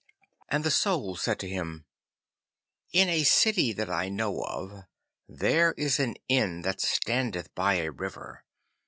And the Soul said to him, 'In a city that I know of there is an inn that standeth by a river.